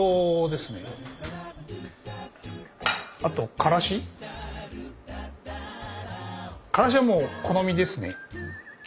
からしはもう好みですね。